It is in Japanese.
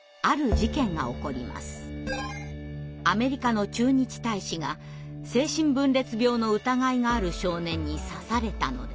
アメリカの駐日大使が精神分裂病の疑いがある少年に刺されたのです。